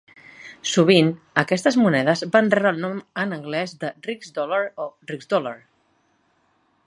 Sovint, aquestes monedes van rebre el nom en anglès de "rix-dollar" o "rixdollar".